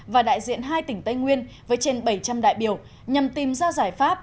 và đại diện hai tỉnh tây nguyên với trên bảy trăm linh đại biểu nhằm tìm ra giải pháp